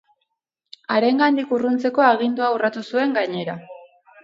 Harengandik urruntzeko agindua urratu zuen, gainera.